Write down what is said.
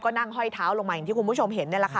ก็นั่งห้อยเท้าลงมาอย่างที่คุณผู้ชมเห็นนี่แหละค่ะ